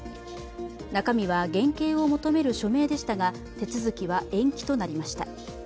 中身は減軽を求める署名でしたが手続きは延期となりました。